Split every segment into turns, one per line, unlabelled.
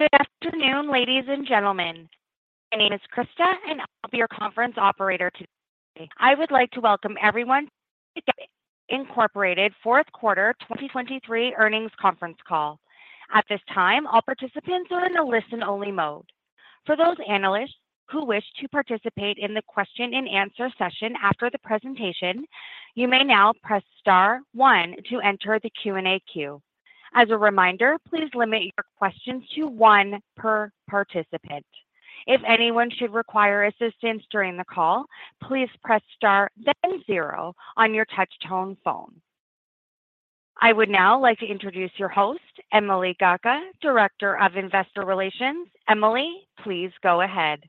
Good afternoon, ladies and gentlemen. My name is Krista, and I'll be your conference operator today. I would like to welcome everyone to Gap Incorporated's fourth quarter 2023 earnings conference call. At this time, all participants are in a listen-only mode. For those analysts who wish to participate in the question-and-answer session after the presentation, you may now press star one to enter the Q&A queue. As a reminder, please limit your questions to one per participant. If anyone should require assistance during the call, please press star then zero on your touch-tone phone. I would now like to introduce your host, Emily Gacka, Director of Investor Relations. Emily, please go ahead.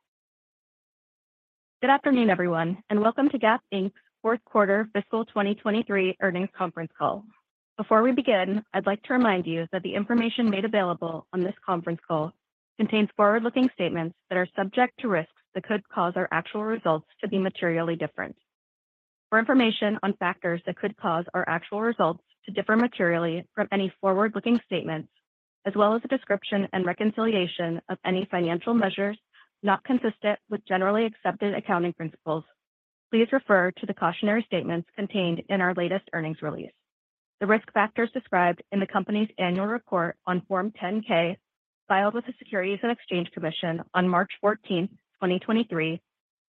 Good afternoon, everyone, and welcome to Gap Inc.'s fourth quarter fiscal 2023 earnings conference call. Before we begin, I'd like to remind you that the information made available on this conference call contains forward-looking statements that are subject to risks that could cause our actual results to be materially different. For information on factors that could cause our actual results to differ materially from any forward-looking statements, as well as a description and reconciliation of any financial measures not consistent with generally accepted accounting principles, please refer to the cautionary statements contained in our latest earnings release. The risk factors described in the company's annual report on Form 10-K filed with the Securities and Exchange Commission on March 14, 2023,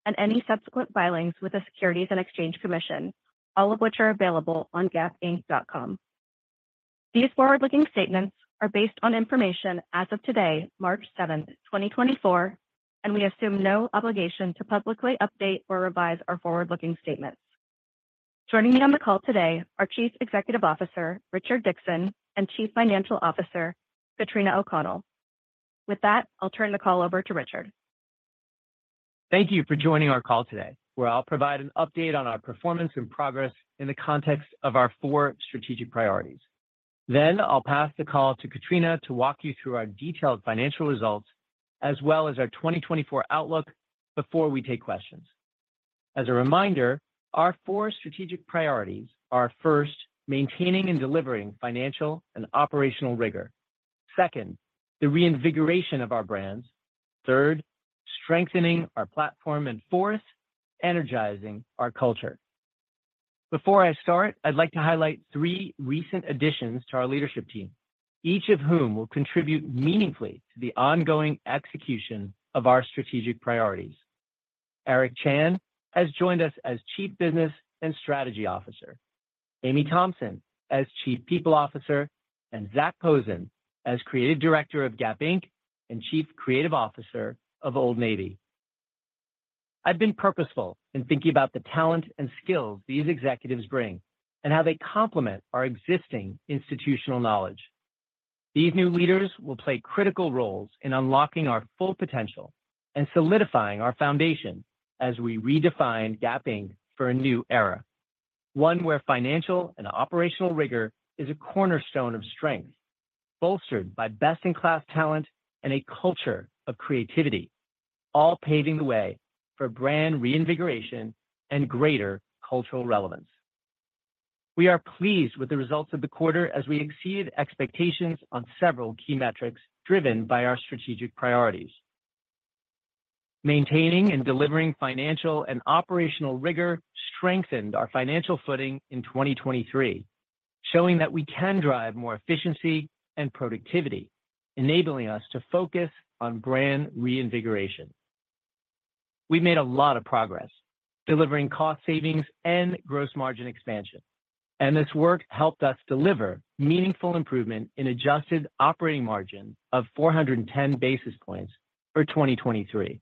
and any subsequent filings with the Securities and Exchange Commission, all of which are available on gapinc.com. These forward-looking statements are based on information as of today, March 7, 2024, and we assume no obligation to publicly update or revise our forward-looking statements. Joining me on the call today are Chief Executive Officer Richard Dickson and Chief Financial Officer Katrina O'Connell. With that, I'll turn the call over to Richard.
Thank you for joining our call today, where I'll provide an update on our performance and progress in the context of our four strategic priorities. Then I'll pass the call to Katrina to walk you through our detailed financial results as well as our 2024 outlook before we take questions. As a reminder, our four strategic priorities are, first, maintaining and delivering financial and operational rigor; second, the reinvigoration of our brands; third, strengthening our platform; and fourth, energizing our culture. Before I start, I'd like to highlight three recent additions to our leadership team, each of whom will contribute meaningfully to the ongoing execution of our strategic priorities. Eric Chan has joined us as Chief Business and Strategy Officer, Amy Thompson as Chief People Officer, and Zac Posen as Creative Director of Gap Inc. and Chief Creative Officer of Old Navy. I've been purposeful in thinking about the talent and skills these executives bring and how they complement our existing institutional knowledge. These new leaders will play critical roles in unlocking our full potential and solidifying our foundation as we redefine Gap Inc. for a new era, one where financial and operational rigor is a cornerstone of strength, bolstered by best-in-class talent and a culture of creativity, all paving the way for brand reinvigoration and greater cultural relevance. We are pleased with the results of the quarter as we exceeded expectations on several key metrics driven by our strategic priorities. Maintaining and delivering financial and operational rigor strengthened our financial footing in 2023, showing that we can drive more efficiency and productivity, enabling us to focus on brand reinvigoration. We've made a lot of progress delivering cost savings and gross margin expansion, and this work helped us deliver meaningful improvement in adjusted operating margin of 410 basis points for 2023.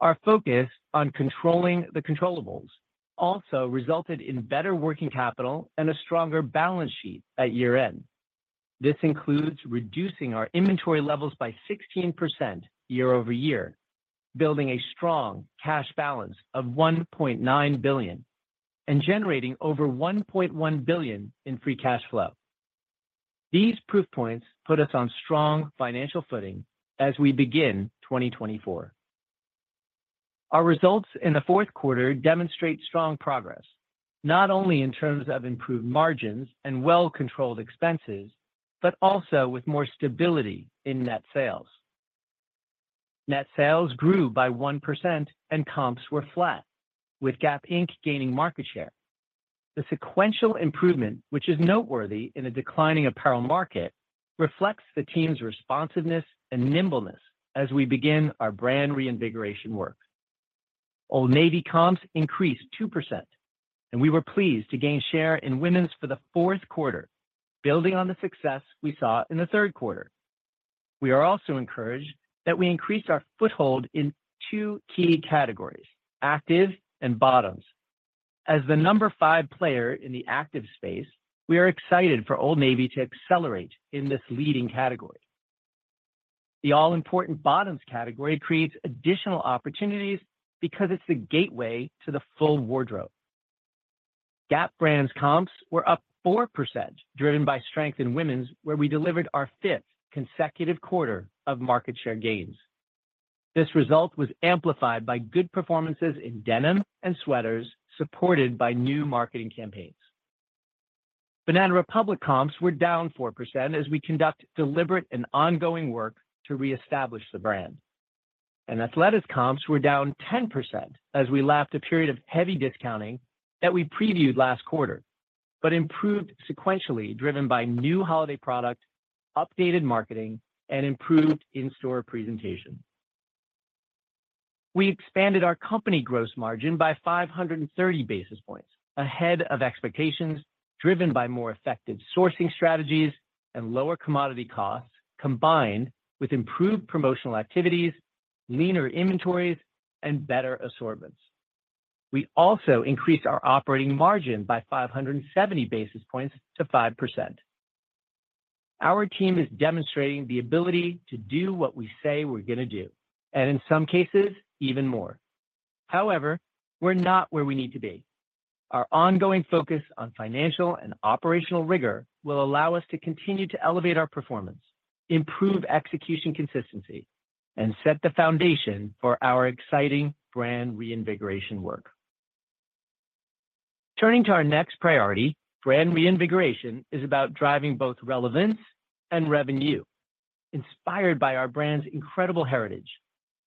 Our focus on controlling the controllable also resulted in better working capital and a stronger balance sheet at year-end. This includes reducing our inventory levels by 16% year-over-year, building a strong cash balance of $1.9 billion, and generating over $1.1 billion in free cash flow. These proof points put us on strong financial footing as we begin 2024. Our results in the fourth quarter demonstrate strong progress, not only in terms of improved margins and well-controlled expenses, but also with more stability in net sales. Net sales grew by 1% and comps were flat, with Gap Inc. gaining market share. The sequential improvement, which is noteworthy in a declining apparel market, reflects the team's responsiveness and nimbleness as we begin our brand reinvigoration work. Old Navy comps increased 2%, and we were pleased to gain share in women's for the fourth quarter, building on the success we saw in the third quarter. We are also encouraged that we increase our foothold in two key categories, active and bottoms. As the number five player in the active space, we are excited for Old Navy to accelerate in this leading category. The all-important bottoms category creates additional opportunities because it's the gateway to the full wardrobe. Gap brands' comps were up 4%, driven by strength in women's, where we delivered our fifth consecutive quarter of market share gains. This result was amplified by good performances in denim and sweaters, supported by new marketing campaigns. Banana Republic comps were down 4% as we conduct deliberate and ongoing work to reestablish the brand. Athleta's comps were down 10% as we lapped a period of heavy discounting that we previewed last quarter, but improved sequentially, driven by new holiday product, updated marketing, and improved in-store presentation. We expanded our company gross margin by 530 basis points ahead of expectations, driven by more effective sourcing strategies and lower commodity costs, combined with improved promotional activities, leaner inventories, and better assortments. We also increased our operating margin by 570 basis points to 5%. Our team is demonstrating the ability to do what we say we're going to do, and in some cases, even more. However, we're not where we need to be. Our ongoing focus on financial and operational rigor will allow us to continue to elevate our performance, improve execution consistency, and set the foundation for our exciting brand reinvigoration work. Turning to our next priority, brand reinvigoration is about driving both relevance and revenue, inspired by our brand's incredible heritage.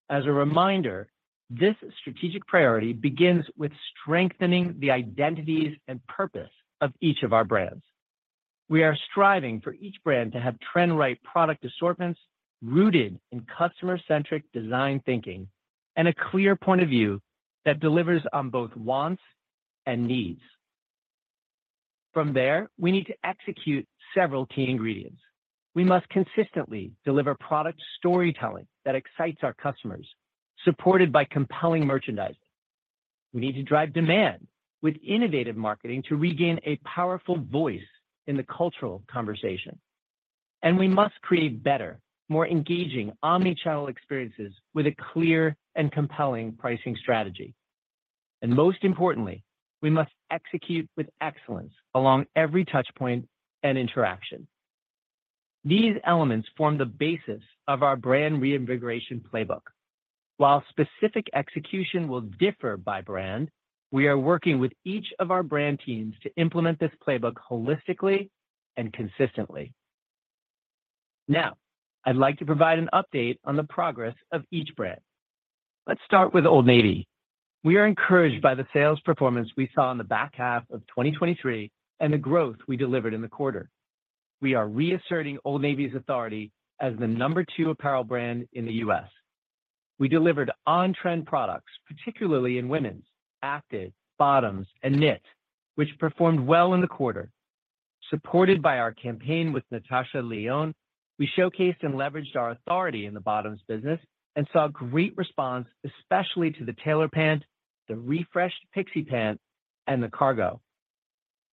As a reminder, this strategic priority begins with strengthening the identities and purpose of each of our brands. We are striving for each brand to have trend-right product assortments rooted in customer-centric design thinking and a clear point of view that delivers on both wants and needs. From there, we need to execute several key ingredients. We must consistently deliver product storytelling that excites our customers, supported by compelling merchandising. We need to drive demand with innovative marketing to regain a powerful voice in the cultural conversation. We must create better, more engaging omnichannel experiences with a clear and compelling pricing strategy. Most importantly, we must execute with excellence along every touchpoint and interaction. These elements form the basis of our brand reinvigoration playbook. While specific execution will differ by brand, we are working with each of our brand teams to implement this playbook holistically and consistently. Now, I'd like to provide an update on the progress of each brand. Let's start with Old Navy. We are encouraged by the sales performance we saw in the back half of 2023 and the growth we delivered in the quarter. We are reasserting Old Navy's authority as the number 2 apparel brand in the U.S. We delivered on-trend products, particularly in women's: active, bottoms, and knit, which performed well in the quarter. Supported by our campaign with Natasha Lyonne, we showcased and leveraged our authority in the bottoms business and saw great response, especially to the tailored pant, the refreshed Pixie Pant, and the cargo.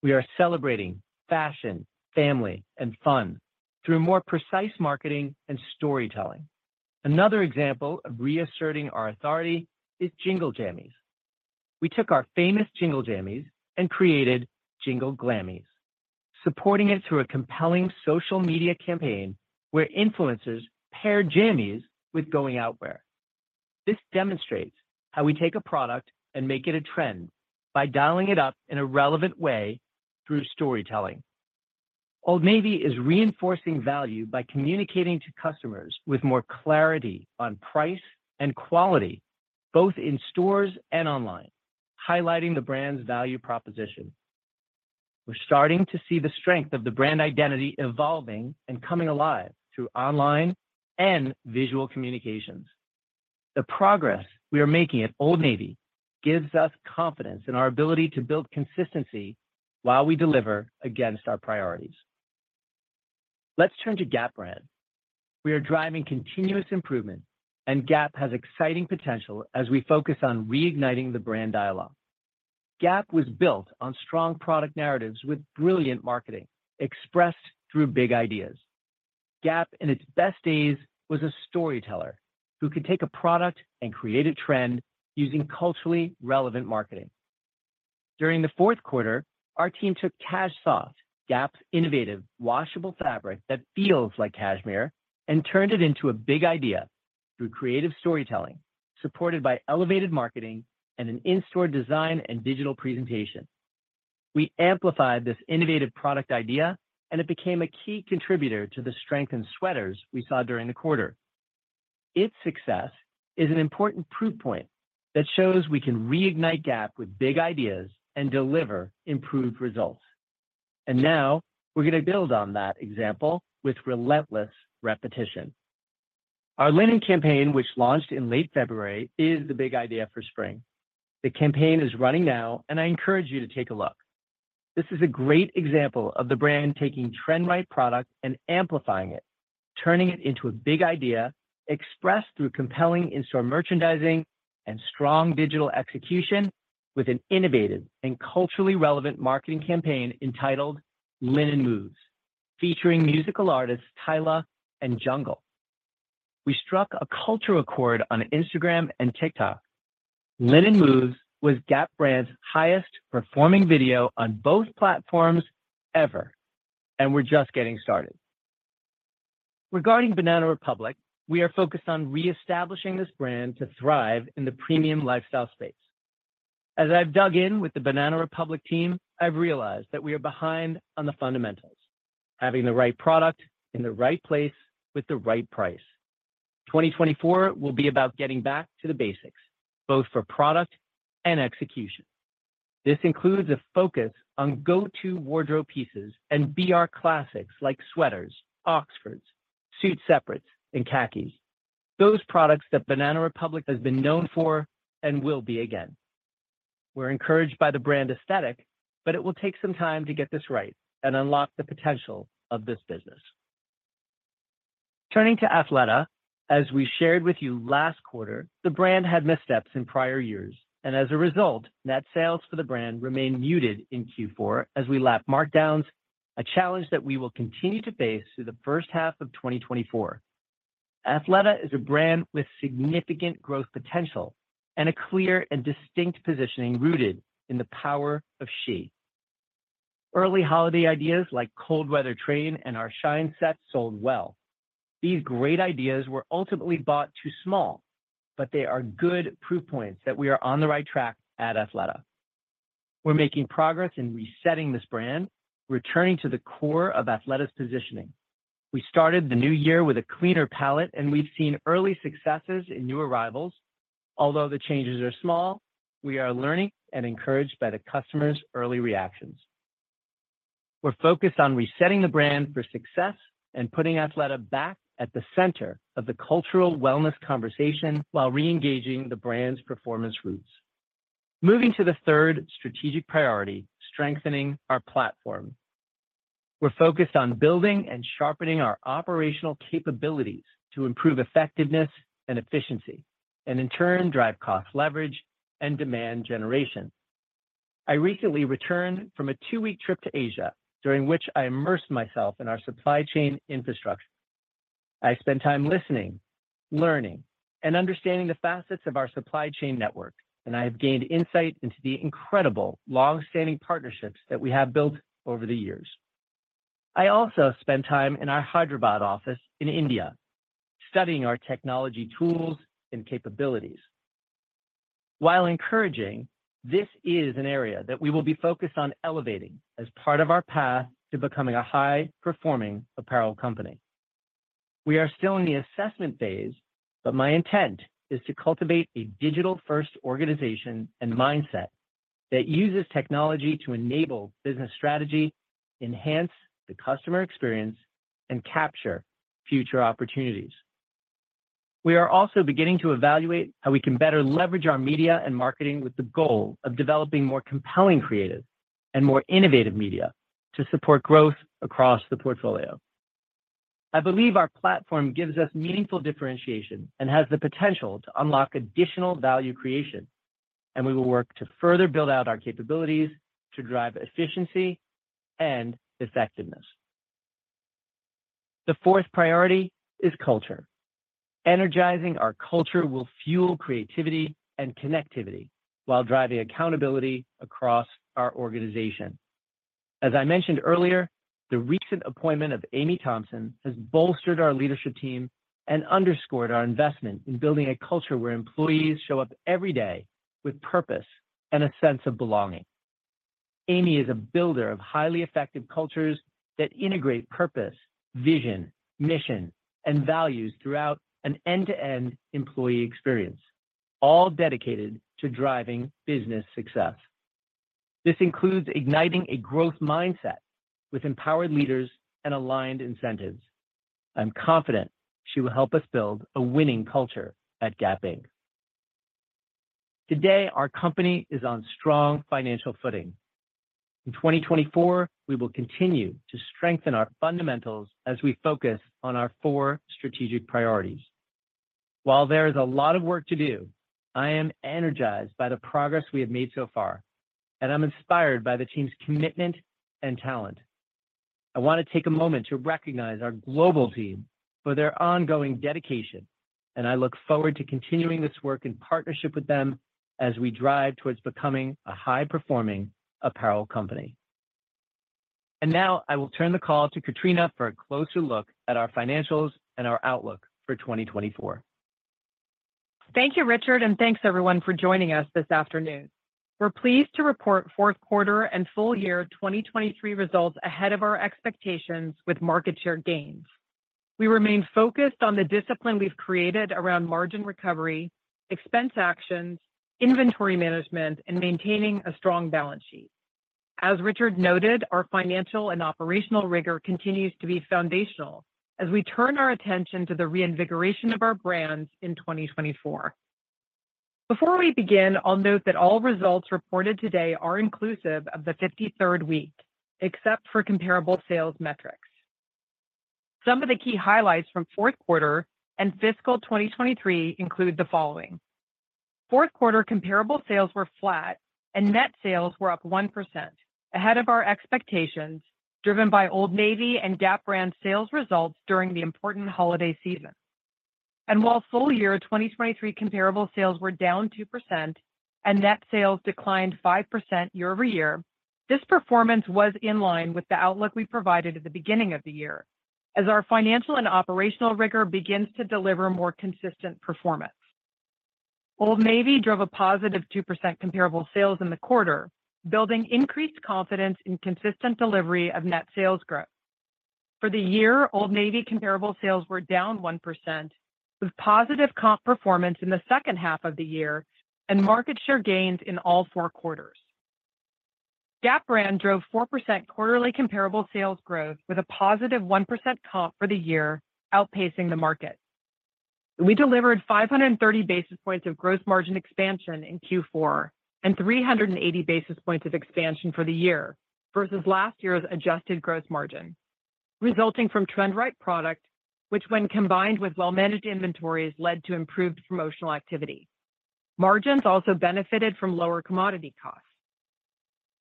We are celebrating fashion, family, and fun through more precise marketing and storytelling. Another example of reasserting our authority is Jingle Jammies. We took our famous Jingle Jammies and created Jingle Glammies, supporting it through a compelling social media campaign where influencers paired jammies with going-out wear. This demonstrates how we take a product and make it a trend by dialing it up in a relevant way through storytelling. Old Navy is reinforcing value by communicating to customers with more clarity on price and quality, both in stores and online, highlighting the brand's value proposition. We're starting to see the strength of the brand identity evolving and coming alive through online and visual communications. The progress we are making at Old Navy gives us confidence in our ability to build consistency while we deliver against our priorities. Let's turn to Gap brand. We are driving continuous improvement, and Gap has exciting potential as we focus on reigniting the brand dialogue. Gap was built on strong product narratives with brilliant marketing expressed through big ideas. Gap, in its best days, was a storyteller who could take a product and create a trend using culturally relevant marketing. During the fourth quarter, our team took CashSoft, Gap's innovative washable fabric that feels like cashmere, and turned it into a big idea through creative storytelling, supported by elevated marketing and an in-store design and digital presentation. We amplified this innovative product idea, and it became a key contributor to the strengthened sweaters we saw during the quarter. Its success is an important proof point that shows we can reignite Gap with big ideas and deliver improved results. Now we're going to build on that example with relentless repetition. Our linen campaign, which launched in late February, is the big idea for spring. The campaign is running now, and I encourage you to take a look. This is a great example of the brand taking trend-right product and amplifying it, turning it into a big idea expressed through compelling in-store merchandising and strong digital execution with an innovative and culturally relevant marketing campaign entitled Linen Moves, featuring musical artists Tyla and Jungle. We struck a cultural chord on Instagram and TikTok. Linen Moves was Gap brand's highest performing video on both platforms ever, and we're just getting started. Regarding Banana Republic, we are focused on reestablishing this brand to thrive in the premium lifestyle space. As I've dug in with the Banana Republic team, I've realized that we are behind on the fundamentals: having the right product in the right place with the right price. 2024 will be about getting back to the basics, both for product and execution. This includes a focus on go-to wardrobe pieces and BR classics like sweaters, oxfords, suit separates, and khakis, those products that Banana Republic has been known for and will be again. We're encouraged by the brand aesthetic, but it will take some time to get this right and unlock the potential of this business. Turning to Athleta, as we shared with you last quarter, the brand had missteps in prior years, and as a result, net sales for the brand remain muted in Q4 as we lap markdowns, a challenge that we will continue to face through the first half of 2024. Athleta is a brand with significant growth potential and a clear and distinct positioning rooted in the Power of She. Early holiday ideas like cold weather train and our shine set sold well. These great ideas were ultimately bought too small, but they are good proof points that we are on the right track at Athleta. We're making progress in resetting this brand, returning to the core of Athleta's positioning. We started the new year with a cleaner palette, and we've seen early successes in new arrivals. Although the changes are small, we are learning and encouraged by the customers' early reactions. We're focused on resetting the brand for success and putting Athleta back at the center of the cultural wellness conversation while reengaging the brand's performance roots. Moving to the third strategic priority, strengthening our platform. We're focused on building and sharpening our operational capabilities to improve effectiveness and efficiency, and in turn, drive cost leverage and demand generation. I recently returned from a 2-week trip to Asia, during which I immersed myself in our supply chain infrastructure. I spent time listening, learning, and understanding the facets of our supply chain network, and I have gained insight into the incredible longstanding partnerships that we have built over the years. I also spent time in our Hyderabad office in India, studying our technology tools and capabilities. While encouraging, this is an area that we will be focused on elevating as part of our path to becoming a high-performing apparel company. We are still in the assessment phase, but my intent is to cultivate a digital-first organization and mindset that uses technology to enable business strategy, enhance the customer experience, and capture future opportunities. We are also beginning to evaluate how we can better leverage our media and marketing with the goal of developing more compelling creative and more innovative media to support growth across the portfolio. I believe our platform gives us meaningful differentiation and has the potential to unlock additional value creation, and we will work to further build out our capabilities to drive efficiency and effectiveness. The fourth priority is culture. Energizing our culture will fuel creativity and connectivity while driving accountability across our organization. As I mentioned earlier, the recent appointment of Amy Thompson has bolstered our leadership team and underscored our investment in building a culture where employees show up every day with purpose and a sense of belonging. Amy is a builder of highly effective cultures that integrate purpose, vision, mission, and values throughout an end-to-end employee experience, all dedicated to driving business success. This includes igniting a growth mindset with empowered leaders and aligned incentives. I'm confident she will help us build a winning culture at Gap Inc. Today, our company is on strong financial footing. In 2024, we will continue to strengthen our fundamentals as we focus on our four strategic priorities. While there is a lot of work to do, I am energized by the progress we have made so far, and I'm inspired by the team's commitment and talent. I want to take a moment to recognize our global team for their ongoing dedication, and I look forward to continuing this work in partnership with them as we drive towards becoming a high-performing apparel company. Now I will turn the call to Katrina for a closer look at our financials and our outlook for 2024.
Thank you, Richard, and thanks everyone for joining us this afternoon. We're pleased to report fourth quarter and full year 2023 results ahead of our expectations with market share gains. We remain focused on the discipline we've created around margin recovery, expense actions, inventory management, and maintaining a strong balance sheet. As Richard noted, our financial and operational rigor continues to be foundational as we turn our attention to the reinvigoration of our brands in 2024. Before we begin, I'll note that all results reported today are inclusive of the 53rd week, except for comparable sales metrics. Some of the key highlights from fourth quarter and fiscal 2023 include the following: Fourth quarter comparable sales were flat, and net sales were up 1%, ahead of our expectations, driven by Old Navy and Gap brand sales results during the important holiday season. While full year 2023 comparable sales were down 2% and net sales declined 5% year-over-year, this performance was in line with the outlook we provided at the beginning of the year as our financial and operational rigor begins to deliver more consistent performance. Old Navy drove a positive 2% comparable sales in the quarter, building increased confidence in consistent delivery of net sales growth. For the year, Old Navy comparable sales were down 1%, with positive comp performance in the second half of the year and market share gains in all four quarters. Gap brand drove 4% quarterly comparable sales growth, with a positive 1% comp for the year outpacing the market. We delivered 530 basis points of gross margin expansion in Q4 and 380 basis points of expansion for the year versus last year's adjusted gross margin, resulting from trend-right product, which, when combined with well-managed inventories, led to improved promotional activity. Margins also benefited from lower commodity costs.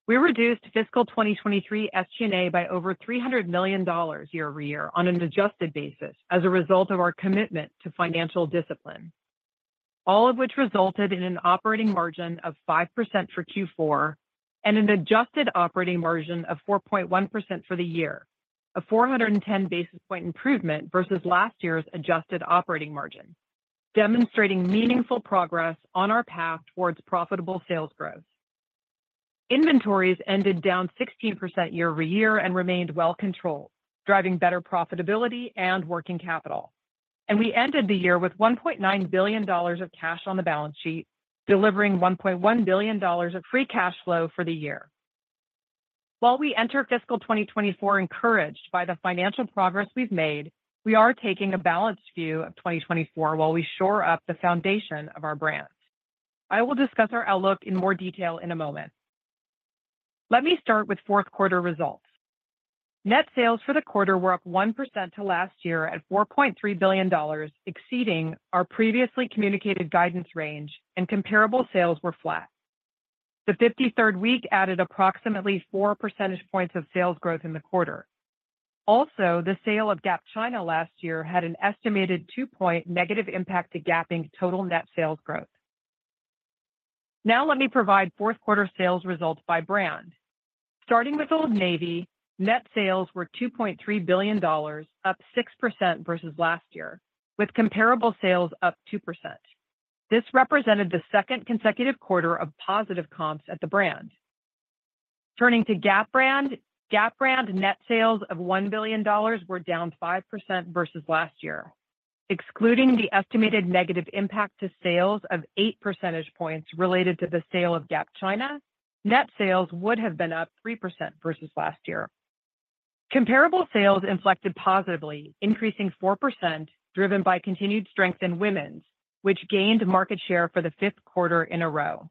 We reduced fiscal 2023 SG&A by over $300 million year-over-year on an adjusted basis as a result of our commitment to financial discipline, all of which resulted in an operating margin of 5% for Q4 and an adjusted operating margin of 4.1% for the year, a 410 basis point improvement versus last year's adjusted operating margin, demonstrating meaningful progress on our path towards profitable sales growth. Inventories ended down 16% year-over-year and remained well-controlled, driving better profitability and working capital. We ended the year with $1.9 billion of cash on the balance sheet, delivering $1.1 billion of free cash flow for the year. While we enter fiscal 2024 encouraged by the financial progress we've made, we are taking a balanced view of 2024 while we shore up the foundation of our brand. I will discuss our outlook in more detail in a moment. Let me start with fourth quarter results. Net sales for the quarter were up 1% to last year at $4.3 billion, exceeding our previously communicated guidance range, and comparable sales were flat. The 53rd week added approximately 4 percentage points of sales growth in the quarter. Also, the sale of Gap China last year had an estimated 2-point negative impact to Gap Inc.'s total net sales growth. Now let me provide fourth quarter sales results by brand. Starting with Old Navy, net sales were $2.3 billion, up 6% versus last year, with comparable sales up 2%. This represented the second consecutive quarter of positive comps at the brand. Turning to Gap brand, Gap brand net sales of $1 billion were down 5% versus last year. Excluding the estimated negative impact to sales of 8 percentage points related to the sale of Gap China, net sales would have been up 3% versus last year. Comparable sales inflected positively, increasing 4%, driven by continued strength in women, which gained market share for the fifth quarter in a row.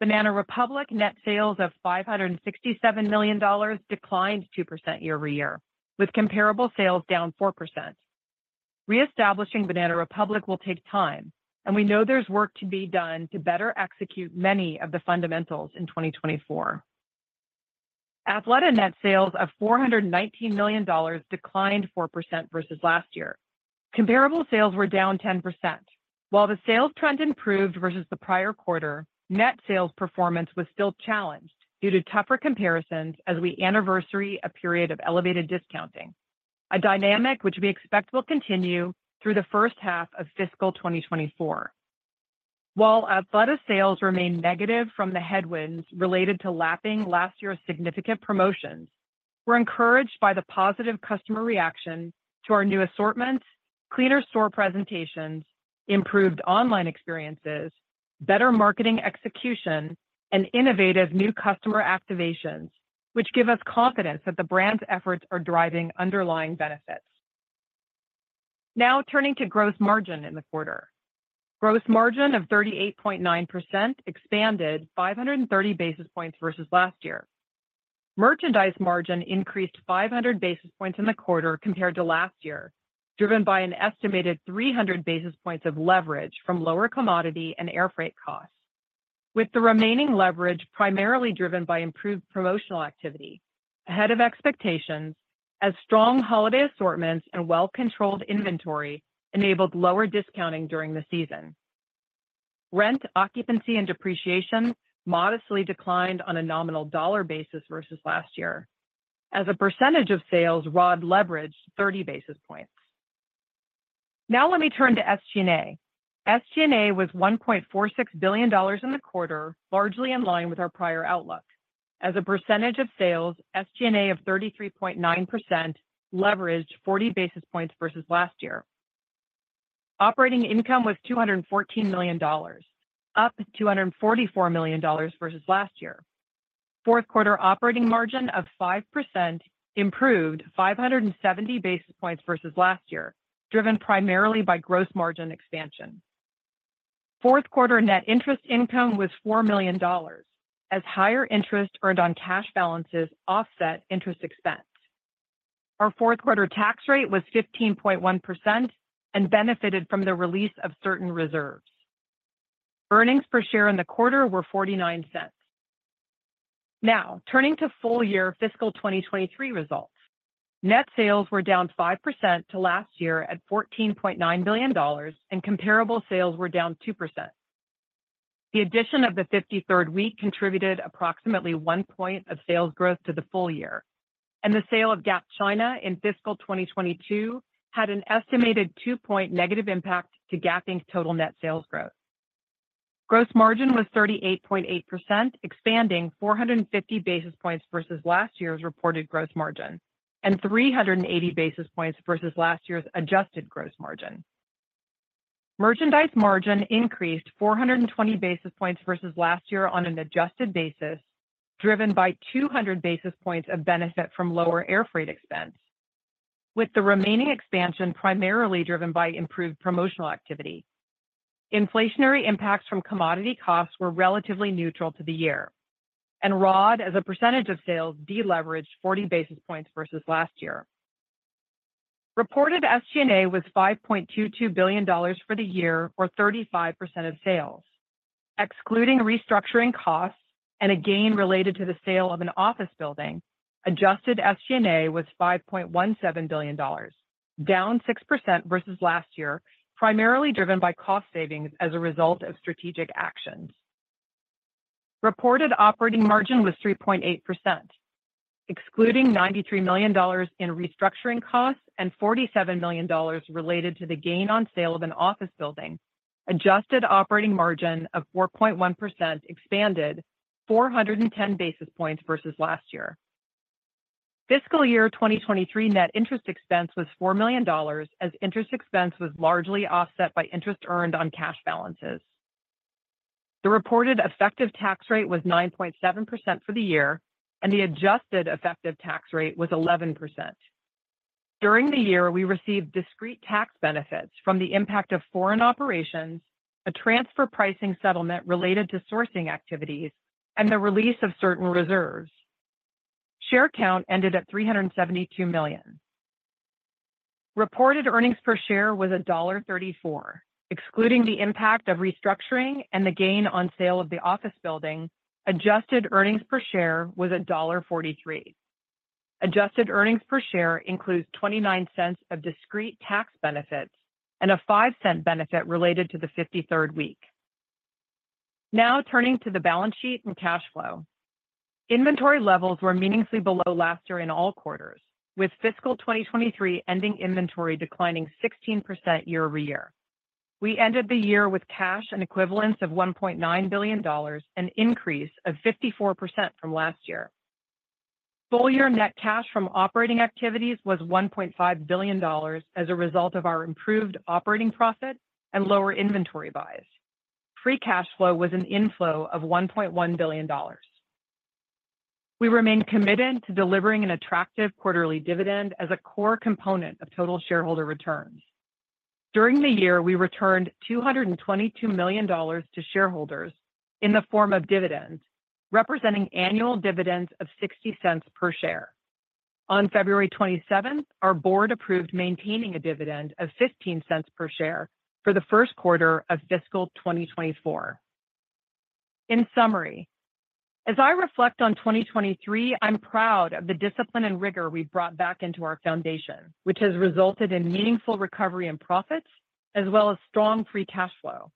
Banana Republic net sales of $567 million declined 2% year-over-year, with comparable sales down 4%. Reestablishing Banana Republic will take time, and we know there's work to be done to better execute many of the fundamentals in 2024. Athleta net sales of $419 million declined 4% versus last year. Comparable sales were down 10%. While the sales trend improved versus the prior quarter, net sales performance was still challenged due to tougher comparisons as we anniversary a period of elevated discounting, a dynamic which we expect will continue through the first half of fiscal 2024. While Athleta sales remain negative from the headwinds related to lapping last year's significant promotions, we're encouraged by the positive customer reaction to our new assortments, cleaner store presentations, improved online experiences, better marketing execution, and innovative new customer activations, which give us confidence that the brand's efforts are driving underlying benefits. Now turning to gross margin in the quarter. Gross margin of 38.9% expanded 530 basis points versus last year. Merchandise margin increased 500 basis points in the quarter compared to last year, driven by an estimated 300 basis points of leverage from lower commodity and air freight costs, with the remaining leverage primarily driven by improved promotional activity ahead of expectations as strong holiday assortments and well-controlled inventory enabled lower discounting during the season. Rent, occupancy, and depreciation modestly declined on a nominal dollar basis versus last year, as a percentage of sales, ROD leveraged 30 basis points. Now let me turn to SG&A. SG&A was $1.46 billion in the quarter, largely in line with our prior outlook. As a percentage of sales, SG&A of 33.9% leveraged 40 basis points versus last year. Operating income was $214 million, up $244 million versus last year. Fourth quarter operating margin of 5% improved 570 basis points versus last year, driven primarily by gross margin expansion. Fourth quarter net interest income was $4 million, as higher interest earned on cash balances offset interest expense. Our fourth quarter tax rate was 15.1% and benefited from the release of certain reserves. Earnings per share in the quarter were $0.49. Now turning to full year fiscal 2023 results. Net sales were down 5% to last year at $14.9 billion, and comparable sales were down 2%. The addition of the 53rd week contributed approximately 1 point of sales growth to the full year, and the sale of Gap China in fiscal 2022 had an estimated 2-point negative impact to Gap Inc. total net sales growth. Gross margin was 38.8%, expanding 450 basis points versus last year's reported gross margin and 380 basis points versus last year's adjusted gross margin. Merchandise margin increased 420 basis points versus last year on an adjusted basis, driven by 200 basis points of benefit from lower air freight expense, with the remaining expansion primarily driven by improved promotional activity. Inflationary impacts from commodity costs were relatively neutral to the year, and ROD as a percentage of sales de-leveraged 40 basis points versus last year. Reported SG&A was $5.22 billion for the year, or 35% of sales. Excluding restructuring costs and a gain related to the sale of an office building, adjusted SG&A was $5.17 billion, down 6% versus last year, primarily driven by cost savings as a result of strategic actions. Reported operating margin was 3.8%. Excluding $93 million in restructuring costs and $47 million related to the gain on sale of an office building, adjusted operating margin of 4.1% expanded 410 basis points versus last year. Fiscal year 2023 net interest expense was $4 million, as interest expense was largely offset by interest earned on cash balances. The reported effective tax rate was 9.7% for the year, and the adjusted effective tax rate was 11%. During the year, we received discrete tax benefits from the impact of foreign operations, a transfer pricing settlement related to sourcing activities, and the release of certain reserves. Share count ended at 372 million. Reported earnings per share was $1.34. Excluding the impact of restructuring and the gain on sale of the office building, adjusted earnings per share was $1.43. Adjusted earnings per share includes $0.29 of discrete tax benefits and a $0.05 benefit related to the 53rd week. Now turning to the balance sheet and cash flow. Inventory levels were meaningfully below last year in all quarters, with fiscal 2023 ending inventory declining 16% year-over-year. We ended the year with cash and equivalents of $1.9 billion, an increase of 54% from last year. Full year net cash from operating activities was $1.5 billion as a result of our improved operating profit and lower inventory buys. Free cash flow was an inflow of $1.1 billion. We remain committed to delivering an attractive quarterly dividend as a core component of total shareholder returns. During the year, we returned $222 million to shareholders in the form of dividends, representing annual dividends of $0.60 per share. On February 27th, our Board approved maintaining a dividend of $0.15 per share for the first quarter of fiscal 2024. In summary, as I reflect on 2023, I'm proud of the discipline and rigor we brought back into our foundation, which has resulted in meaningful recovery in profits as well as strong free cash flow.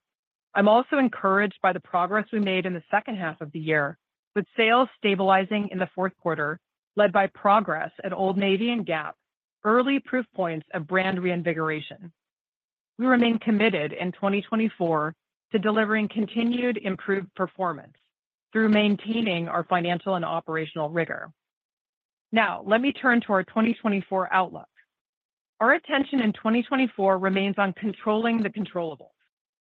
I'm also encouraged by the progress we made in the second half of the year, with sales stabilizing in the fourth quarter led by progress at Old Navy and Gap, early proof points of brand reinvigoration. We remain committed in 2024 to delivering continued improved performance through maintaining our financial and operational rigor. Now let me turn to our 2024 outlook. Our attention in 2024 remains on controlling the controllables,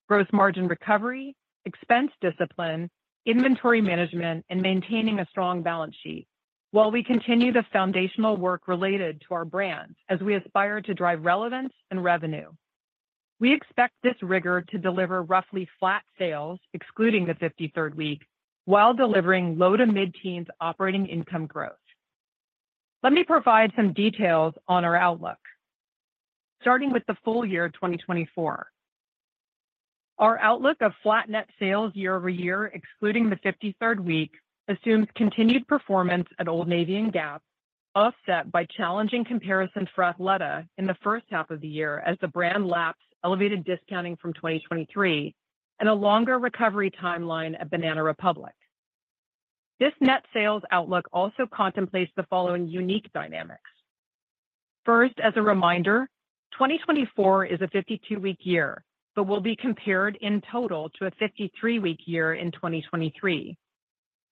gross margin recovery, expense discipline, inventory management, and maintaining a strong balance sheet while we continue the foundational work related to our brands as we aspire to drive relevance and revenue. We expect this rigor to deliver roughly flat sales, excluding the 53rd week, while delivering low to mid-teens operating income growth. Let me provide some details on our outlook. Starting with the full year 2024. Our outlook of flat net sales year-over-year, excluding the 53rd week, assumes continued performance at Old Navy and Gap, offset by challenging comparisons for Athleta in the first half of the year as the brand laps elevated discounting from 2023 and a longer recovery timeline at Banana Republic. This net sales outlook also contemplates the following unique dynamics. First, as a reminder, 2024 is a 52-week year but will be compared in total to a 53-week year in 2023.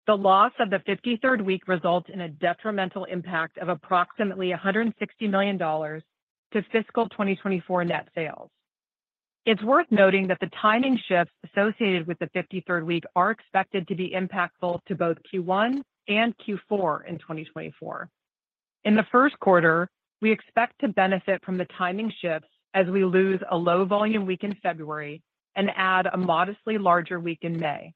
The loss of the 53rd week results in a detrimental impact of approximately $160 million to fiscal 2024 net sales. It's worth noting that the timing shifts associated with the 53rd week are expected to be impactful to both Q1 and Q4 in 2024. In the first quarter, we expect to benefit from the timing shifts as we lose a low-volume week in February and add a modestly larger week in May.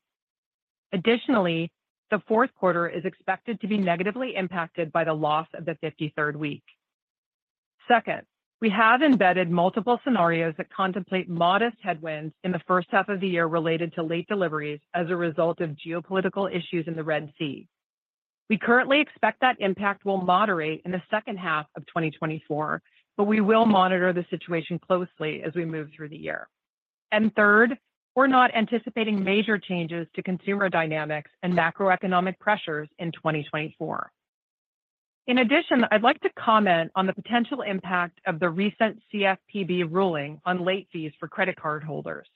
Additionally, the fourth quarter is expected to be negatively impacted by the loss of the 53rd week. Second, we have embedded multiple scenarios that contemplate modest headwinds in the first half of the year related to late deliveries as a result of geopolitical issues in the Red Sea. We currently expect that impact will moderate in the second half of 2024, but we will monitor the situation closely as we move through the year. And third, we're not anticipating major changes to consumer dynamics and macroeconomic pressures in 2024. In addition, I'd like to comment on the potential impact of the recent CFPB ruling on late fees for credit card holders.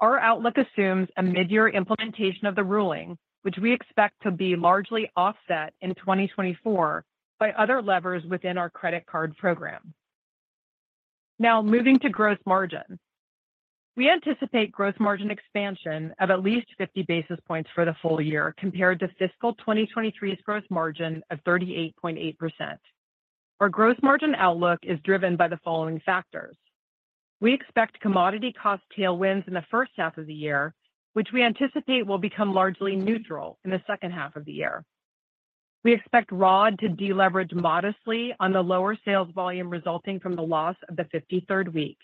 Our outlook assumes a mid-year implementation of the ruling, which we expect to be largely offset in 2024 by other levers within our credit card program. Now moving to gross margin. We anticipate gross margin expansion of at least 50 basis points for the full year compared to fiscal 2023's gross margin of 38.8%. Our gross margin outlook is driven by the following factors. We expect commodity cost tailwinds in the first half of the year, which we anticipate will become largely neutral in the second half of the year. We expect ROD to de-leverage modestly on the lower sales volume resulting from the loss of the 53rd week.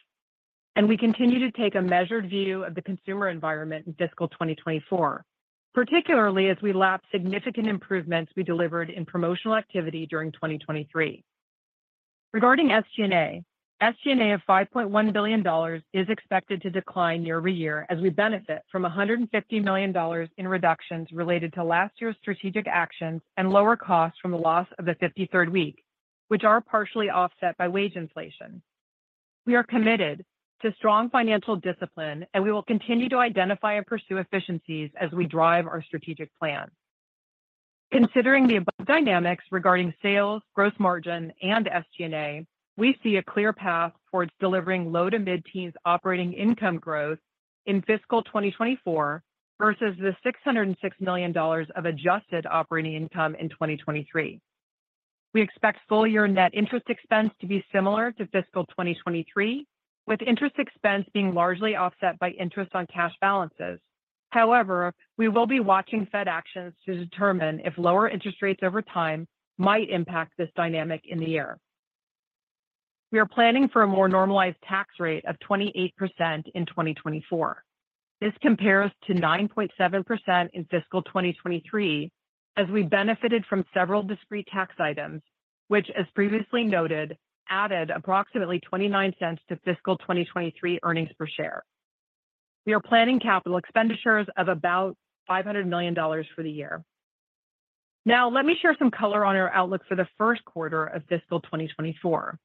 We continue to take a measured view of the consumer environment in fiscal 2024, particularly as we lap significant improvements we delivered in promotional activity during 2023. Regarding SG&A, SG&A of $5.1 billion is expected to decline year-over-year as we benefit from $150 million in reductions related to last year's strategic actions and lower costs from the loss of the 53rd week, which are partially offset by wage inflation. We are committed to strong financial discipline, and we will continue to identify and pursue efficiencies as we drive our strategic plan. Considering the above dynamics regarding sales, gross margin, and SG&A, we see a clear path towards delivering low to mid-teens operating income growth in fiscal 2024 versus the $606 million of adjusted operating income in 2023. We expect full year net interest expense to be similar to fiscal 2023, with interest expense being largely offset by interest on cash balances. However, we will be watching Fed actions to determine if lower interest rates over time might impact this dynamic in the year. We are planning for a more normalized tax rate of 28% in 2024. This compares to 9.7% in fiscal 2023 as we benefited from several discrete tax items, which, as previously noted, added approximately $0.29 to fiscal 2023 earnings per share. We are planning capital expenditures of about $500 million for the year. Now let me share some color on our outlook for the first quarter of fiscal 2024.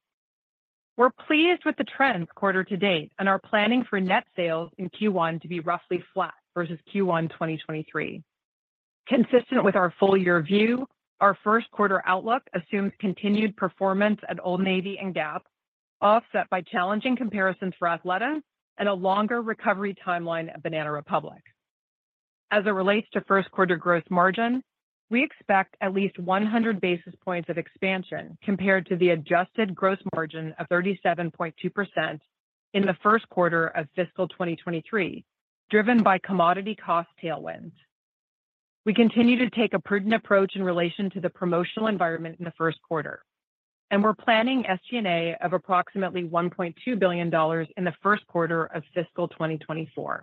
We're pleased with the trends quarter to date and are planning for net sales in Q1 to be roughly flat versus Q1 2023. Consistent with our full year view, our first quarter outlook assumes continued performance at Old Navy and Gap, offset by challenging comparisons for Athleta and a longer recovery timeline at Banana Republic. As it relates to first quarter gross margin, we expect at least 100 basis points of expansion compared to the adjusted gross margin of 37.2% in the first quarter of fiscal 2023, driven by commodity cost tailwinds. We continue to take a prudent approach in relation to the promotional environment in the first quarter, and we're planning SG&A of approximately $1.2 billion in the first quarter of fiscal 2024.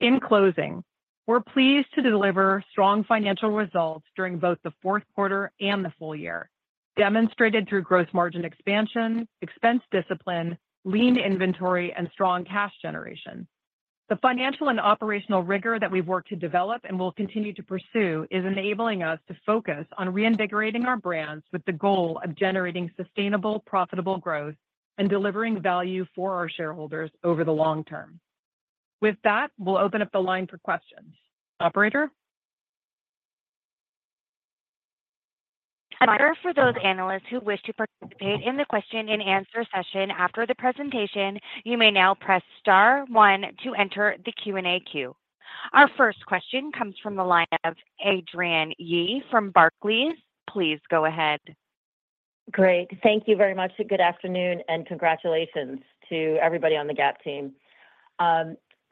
In closing, we're pleased to deliver strong financial results during both the fourth quarter and the full year, demonstrated through gross margin expansion, expense discipline, lean inventory, and strong cash generation. The financial and operational rigor that we've worked to develop and will continue to pursue is enabling us to focus on reinvigorating our brands with the goal of generating sustainable, profitable growth and delivering value for our shareholders over the long term. With that, we'll open up the line for questions. Operator?
Advisor for those analysts who wish to participate in the question-and-answer session after the presentation, you may now press star one to enter the Q&A queue. Our first question comes from the line of Adrienne Yih from Barclays. Please go ahead.
Great. Thank you very much. Good afternoon and congratulations to everybody on the Gap team.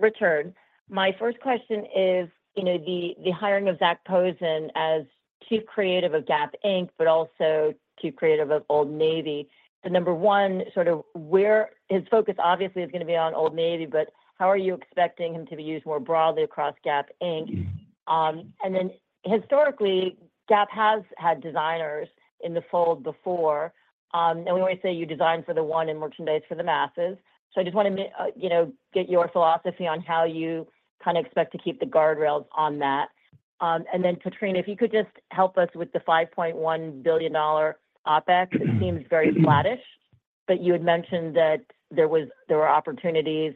Richard, my first question is the hiring of Zac Posen as Chief Creative Officer of Gap Inc., but also Chief Creative Officer of Old Navy. So number one, his focus obviously is going to be on Old Navy, but how are you expecting him to be used more broadly across Gap Inc.? And then historically, Gap has had designers in the fold before, and we always say you design for the one and merchandise for the masses. So I just want to get your philosophy on how you kind of expect to keep the guardrails on that. And then Katrina, if you could just help us with the $5.1 billion OpEx. It seems very flatish, but you had mentioned that there were opportunities.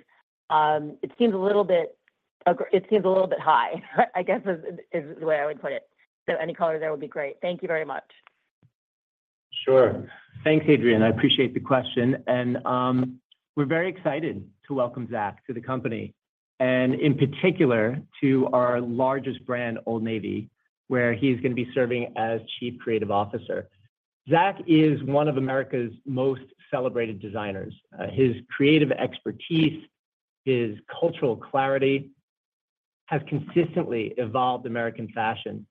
It seems a little bit high, I guess, is the way I would put it. So any color there would be great. Thank you very much.
Sure. Thanks, Adrienne. I appreciate the question. We're very excited to welcome Zac to the company and in particular to our largest brand, Old Navy, where he's going to be serving as Chief Creative Officer. Zac is one of America's most celebrated designers. His creative expertise, his cultural clarity has consistently evolved American fashion,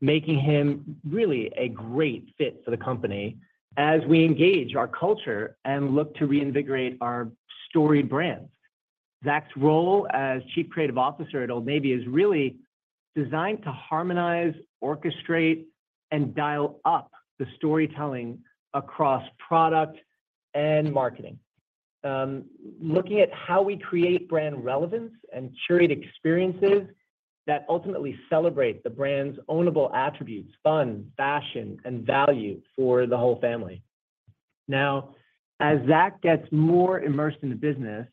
making him really a great fit for the company as we engage our culture and look to reinvigorate our storied brands. Zac's role as Chief Creative Officer at Old Navy is really designed to harmonize, orchestrate, and dial up the storytelling across product and marketing. Looking at how we create brand relevance and curate experiences that ultimately celebrate the brand's ownable attributes: fun, fashion, and value for the whole family. Now, as Zac gets more immersed in the business,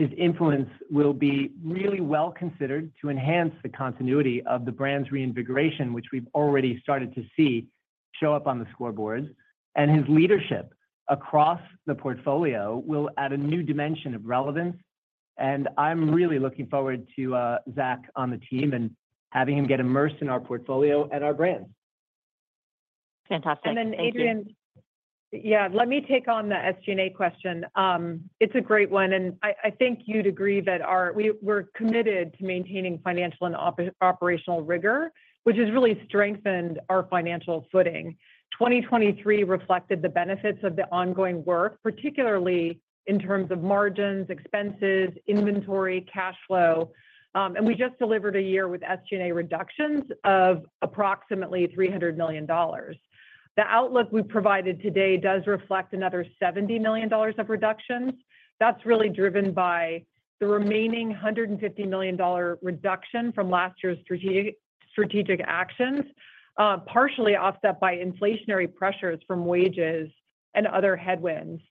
his influence will be really well considered to enhance the continuity of the brand's reinvigoration, which we've already started to see show up on the scoreboards. His leadership across the portfolio will add a new dimension of relevance. I'm really looking forward to Zac on the team and having him get immersed in our portfolio and our brands.
Fantastic. Thank you.
Then Adrienne, yeah, let me take on the SG&A question. It's a great one. I think you'd agree that we're committed to maintaining financial and operational rigor, which has really strengthened our financial footing. 2023 reflected the benefits of the ongoing work, particularly in terms of margins, expenses, inventory, cash flow. We just delivered a year with SG&A reductions of approximately $300 million. The outlook we provided today does reflect another $70 million of reductions. That's really driven by the remaining $150 million reduction from last year's strategic actions, partially offset by inflationary pressures from wages and other headwinds.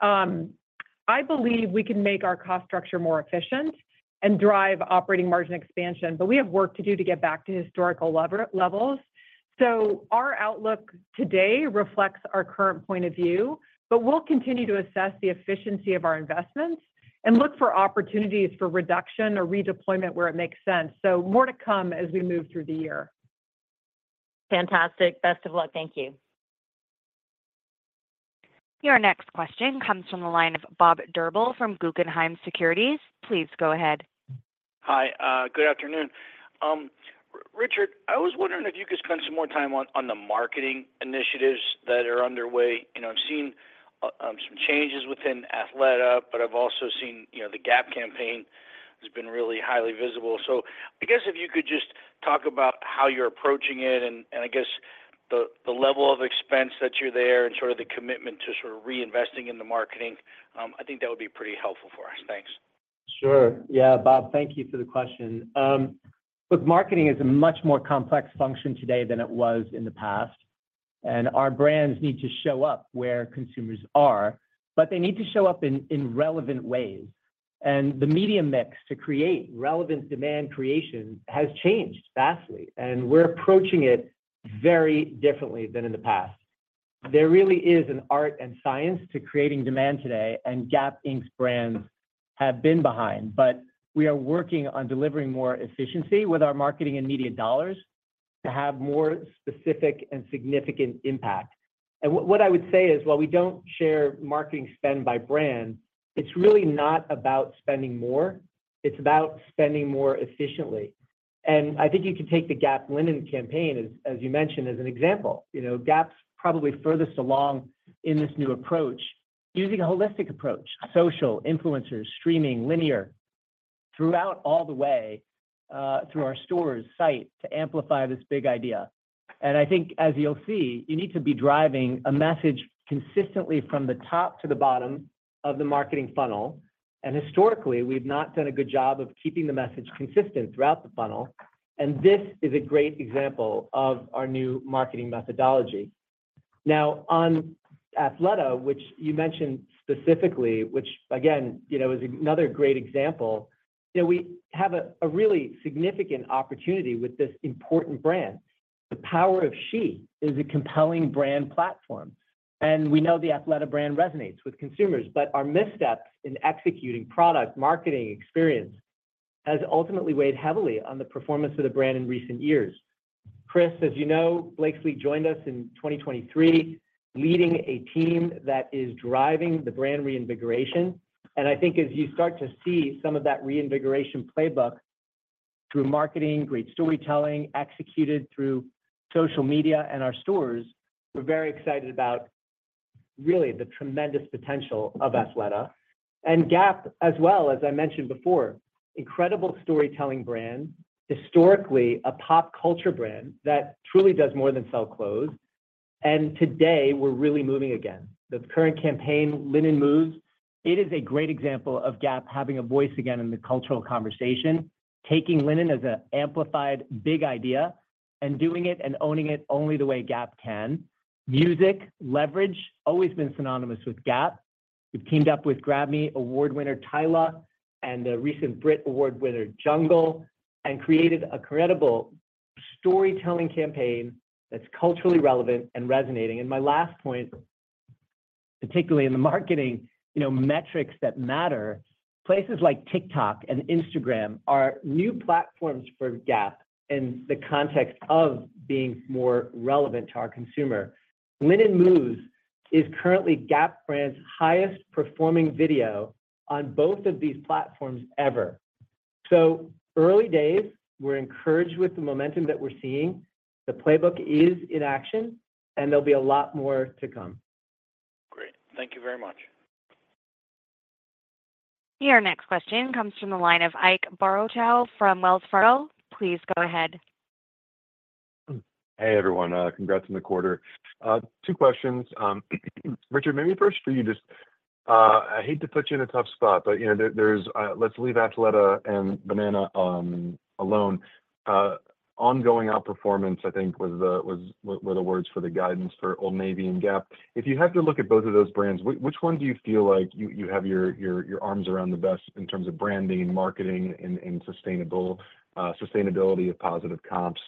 I believe we can make our cost structure more efficient and drive operating margin expansion, but we have work to do to get back to historical levels. So our outlook today reflects our current point of view, but we'll continue to assess the efficiency of our investments and look for opportunities for reduction or redeployment where it makes sense. So more to come as we move through the year.
Fantastic. Best of luck. Thank you.
Your next question comes from the line of Bob Drbul from Guggenheim Securities. Please go ahead.
Hi. Good afternoon. Richard, I was wondering if you could spend some more time on the marketing initiatives that are underway. I'm seeing some changes within Athleta, but I've also seen the Gap campaign has been really highly visible. So I guess if you could just talk about how you're approaching it and I guess the level of expense that you're there and sort of the commitment to sort of reinvesting in the marketing, I think that would be pretty helpful for us. Thanks.
Sure. Yeah, Bob, thank you for the question. Look, marketing is a much more complex function today than it was in the past. And our brands need to show up where consumers are, but they need to show up in relevant ways. And the media mix to create relevant demand creation has changed vastly, and we're approaching it very differently than in the past. There really is an art and science to creating demand today, and Gap Inc.'s brands have been behind. But we are working on delivering more efficiency with our marketing and media dollars to have more specific and significant impact. And what I would say is, while we don't share marketing spend by brand, it's really not about spending more. It's about spending more efficiently. And I think you could take the Gap Linen campaign, as you mentioned, as an example. Gap's probably furthest along in this new approach using a holistic approach: social, influencers, streaming, linear throughout all the way through our store's site to amplify this big idea. I think, as you'll see, you need to be driving a message consistently from the top to the bottom of the marketing funnel. Historically, we've not done a good job of keeping the message consistent throughout the funnel. This is a great example of our new marketing methodology. Now, on Athleta, which you mentioned specifically, which, again, is another great example, we have a really significant opportunity with this important brand. The Power of She is a compelling brand platform. We know the Athleta brand resonates with consumers, but our missteps in executing product, marketing, experience have ultimately weighed heavily on the performance of the brand in recent years. Chris, as you know, Blakeslee joined us in 2023, leading a team that is driving the brand reinvigoration. I think, as you start to see some of that reinvigoration playbook through marketing, great storytelling executed through social media and our stores, we're very excited about really the tremendous potential of Athleta. Gap, as well, as I mentioned before, incredible storytelling brand, historically a pop culture brand that truly does more than sell clothes. Today, we're really moving again. The current campaign, Linen Moves, it is a great example of Gap having a voice again in the cultural conversation, taking linen as an amplified big idea and doing it and owning it only the way Gap can. Music, leverage, always been synonymous with Gap. We've teamed up with Grammy award winner Tyla and the recent Brit Award winner Jungle and created a credible storytelling campaign that's culturally relevant and resonating. And my last point, particularly in the marketing metrics that matter, places like TikTok and Instagram are new platforms for Gap in the context of being more relevant to our consumer. Linen Moves is currently Gap brand's highest performing video on both of these platforms ever. So early days, we're encouraged with the momentum that we're seeing. The playbook is in action, and there'll be a lot more to come.
Great. Thank you very much.
Your next question comes from the line of Ike Boruchow from Wells Fargo. Please go ahead.
Hey, everyone. Congrats on the quarter. 2 questions. Richard, maybe first for you just I hate to put you in a tough spot, but let's leave Athleta and Banana alone. Ongoing outperformance, I think, were the words for the guidance for Old Navy and Gap. If you had to look at both of those brands, which one do you feel like you have your arms around the best in terms of branding, marketing, and sustainability of positive comps?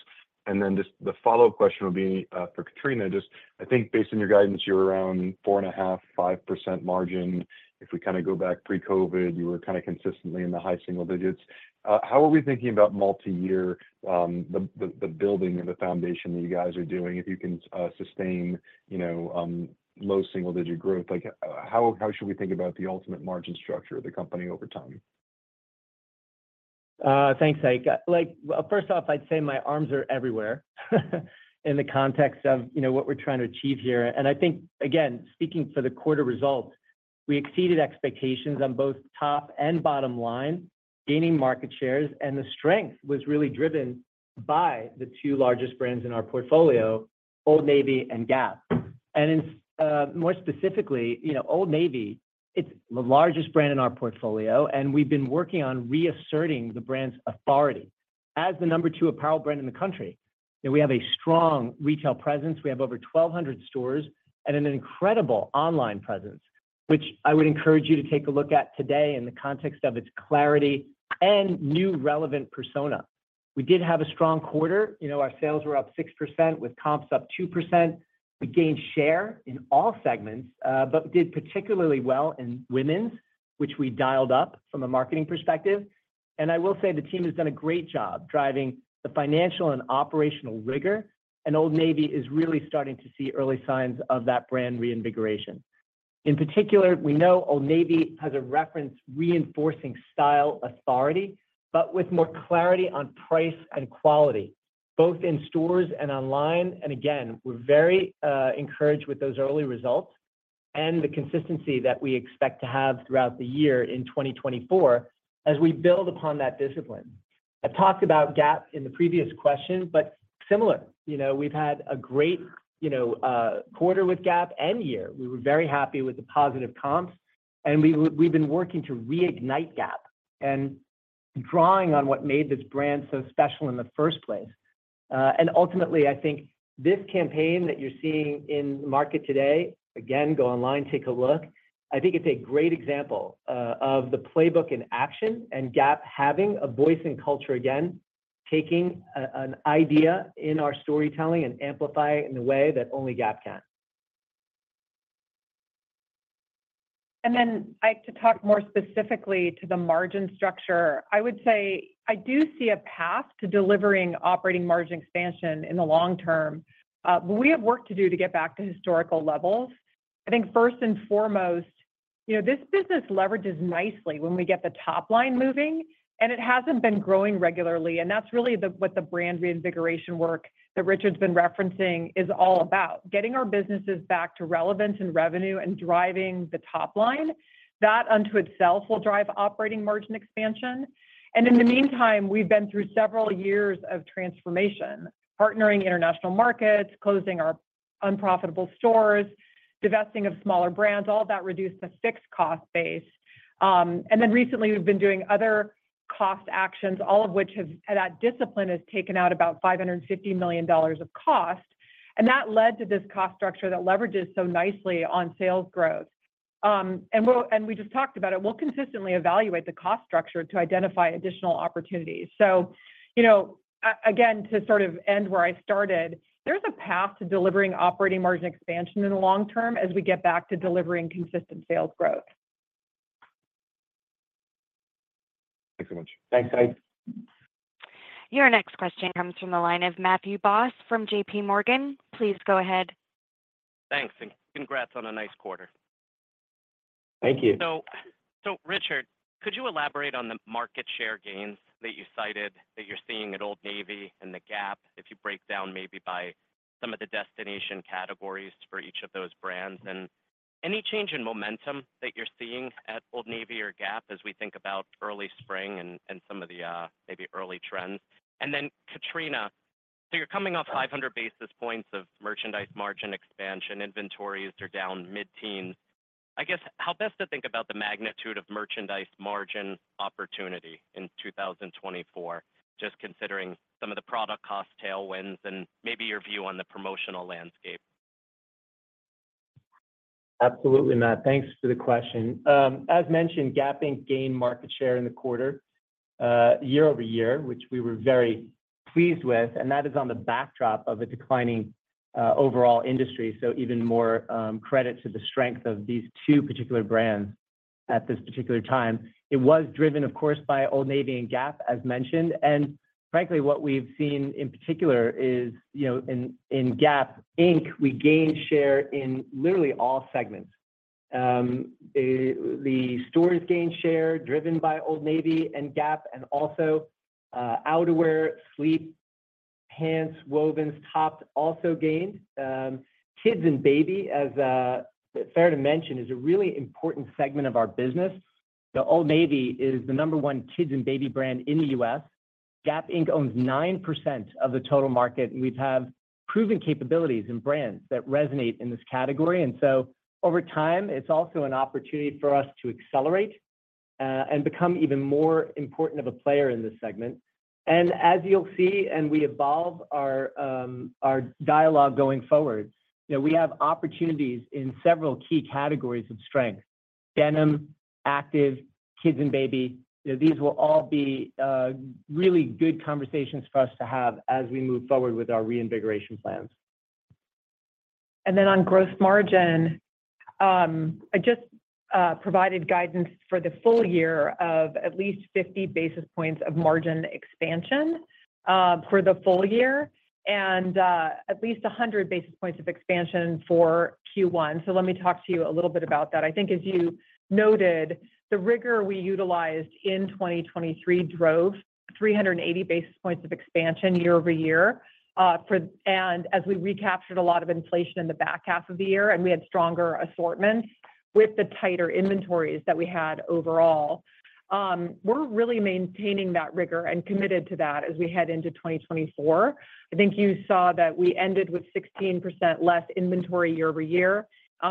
And then just the follow-up question will be for Katrina. Just I think, based on your guidance, you were around 4.5%-5% margin. If we kind of go back pre-COVID, you were kind of consistently in the high single digits. How are we thinking about multi-year, the building of the foundation that you guys are doing? If you can sustain low single-digit growth, how should we think about the ultimate margin structure of the company over time?
Thanks, Ike. First off, I'd say my arms are everywhere in the context of what we're trying to achieve here. I think, again, speaking for the quarter results, we exceeded expectations on both top and bottom line, gaining market shares. The strength was really driven by the two largest brands in our portfolio, Old Navy and Gap. More specifically, Old Navy, it's the largest brand in our portfolio, and we've been working on reasserting the brand's authority as the number two apparel brand in the country. We have a strong retail presence. We have over 1,200 stores and an incredible online presence, which I would encourage you to take a look at today in the context of its clarity and new relevant persona. We did have a strong quarter. Our sales were up 6% with comps up 2%. We gained share in all segments, but did particularly well in women's, which we dialed up from a marketing perspective. I will say the team has done a great job driving the financial and operational rigor. Old Navy is really starting to see early signs of that brand reinvigoration. In particular, we know Old Navy has a reference reinforcing style authority, but with more clarity on price and quality, both in stores and online. Again, we're very encouraged with those early results and the consistency that we expect to have throughout the year in 2024 as we build upon that discipline. I've talked about Gap in the previous question, but similar. We've had a great quarter with Gap and year. We were very happy with the positive comps. We've been working to reignite Gap and drawing on what made this brand so special in the first place. Ultimately, I think this campaign that you're seeing in the market today. Again, go online, take a look. I think it's a great example of the playbook in action and Gap having a voice in culture again, taking an idea in our storytelling and amplifying it in a way that only Gap can.
And then Ike, to talk more specifically to the margin structure, I would say I do see a path to delivering operating margin expansion in the long term. But we have work to do to get back to historical levels. I think, first and foremost, this business leverages nicely when we get the top line moving. And it hasn't been growing regularly. And that's really what the brand reinvigoration work that Richard's been referencing is all about: getting our businesses back to relevance and revenue and driving the top line. That, unto itself, will drive operating margin expansion. And in the meantime, we've been through several years of transformation, partnering international markets, closing our unprofitable stores, divesting of smaller brands. All of that reduced to fixed cost base. And then recently, we've been doing other cost actions, all of which have that discipline has taken out about $550 million of cost. And that led to this cost structure that leverages so nicely on sales growth. And we just talked about it. We'll consistently evaluate the cost structure to identify additional opportunities. So again, to sort of end where I started, there's a path to delivering operating margin expansion in the long term as we get back to delivering consistent sales growth.
Thanks so much.
Thanks, Ike.
Your next question comes from the line of Matthew Boss from JPMorgan. Please go ahead.
Thanks. And congrats on a nice quarter.
Thank you.
So, Richard, could you elaborate on the market share gains that you cited that you're seeing at Old Navy and the Gap, if you break down maybe by some of the destination categories for each of those brands? And any change in momentum that you're seeing at Old Navy or Gap as we think about early spring and some of the maybe early trends? And then, Katrina, so you're coming off 500 basis points of merchandise margin expansion. Inventories are down mid-teens. I guess, how best to think about the magnitude of merchandise margin opportunity in 2024, just considering some of the product cost tailwinds and maybe your view on the promotional landscape?
Absolutely, Matt. Thanks for the question. As mentioned, Gap Inc. gained market share in the quarter, year-over-year, which we were very pleased with. That is on the backdrop of a declining overall industry. So even more credit to the strength of these two particular brands at this particular time. It was driven, of course, by Old Navy and Gap, as mentioned. And frankly, what we've seen in particular is, in Gap Inc., we gained share in literally all segments. The stores gained share driven by Old Navy and Gap. And also, outerwear, sleep pants, wovens, tops also gained. Kids and baby, as it's fair to mention, is a really important segment of our business. So Old Navy is the number one kids and baby brand in the U.S. Gap Inc. owns 9% of the total market. We have proven capabilities and brands that resonate in this category. So over time, it's also an opportunity for us to accelerate and become even more important of a player in this segment. As you'll see, and we evolve our dialogue going forward, we have opportunities in several key categories of strength: denim, active, kids and baby. These will all be really good conversations for us to have as we move forward with our reinvigoration plans.
And then on gross margin, I just provided guidance for the full year of at least 50 basis points of margin expansion for the full year and at least 100 basis points of expansion for Q1. So let me talk to you a little bit about that. I think, as you noted, the rigor we utilized in 2023 drove 380 basis points of expansion year-over-year. And as we recaptured a lot of inflation in the back half of the year and we had stronger assortments with the tighter inventories that we had overall, we're really maintaining that rigor and committed to that as we head into 2024. I think you saw that we ended with 16% less inventory year-over-year.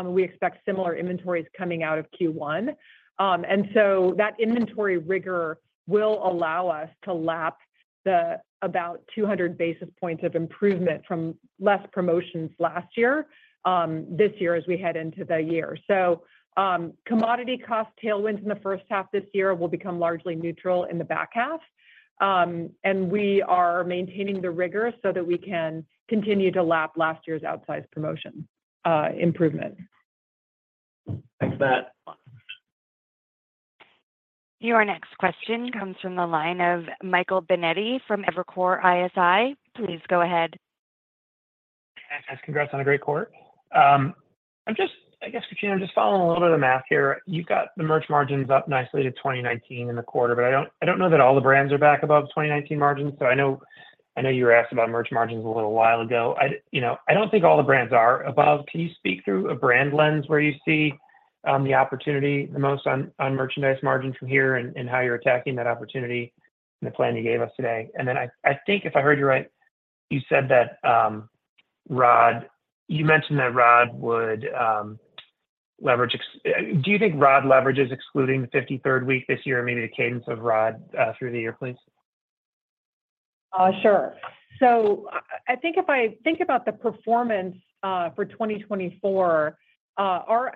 We expect similar inventories coming out of Q1. And so that inventory rigor will allow us to lap the about 200 basis points of improvement from less promotions last year this year as we head into the year. So commodity cost tailwinds in the first half this year will become largely neutral in the back half. And we are maintaining the rigor so that we can continue to lap last year's outsized promotion improvement.
Thanks, Matt.
Your next question comes from the line of Michael Binetti from Evercore ISI. Please go ahead.
Yes. Congrats on a great quarter. I guess, Katrina, I'm just following a little bit of math here. You've got the merch margins up nicely to 2019 in the quarter. But I don't know that all the brands are back above 2019 margins. So I know you were asked about merch margins a little while ago. I don't think all the brands are above. Can you speak through a brand lens where you see the opportunity the most on merchandise margin from here and how you're attacking that opportunity in the plan you gave us today? And then I think, if I heard you right, you said that, ROD, you mentioned that ROD would leverage do you think ROD leverages excluding the 53rd week this year or maybe the cadence of ROD through the year, please?
Sure. So I think if I think about the performance for 2024, our